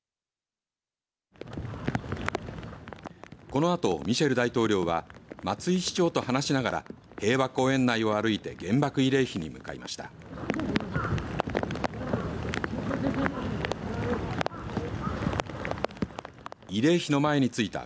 このあと、ミシェル大統領は松井市長と話しながら平和公園内を歩いて原爆慰霊碑に向かいました。